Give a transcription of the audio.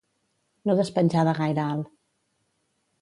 No despenjar de gaire alt.